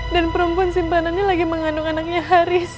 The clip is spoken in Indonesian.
dan perempuan simpanannya lagi mengandung anaknya haris